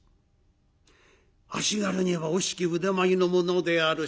「足軽には惜しき腕前の者である。